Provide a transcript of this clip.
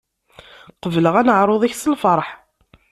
Qebleɣ aneɛṛuḍ-ik s lfeṛḥ.